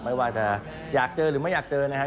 ไม่ว่าจะอยากเจอหรือไม่อยากเจอนะครับ